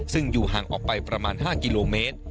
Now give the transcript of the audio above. ซึ่งอยู่ห่างออกไปประมาณ๕กิโลเมตร